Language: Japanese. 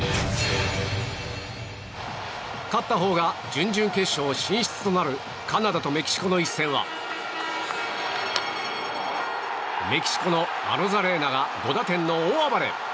勝ったほうが準々決勝進出となるカナダとメキシコの一戦はメキシコのアロザレーナが５打点の大暴れ。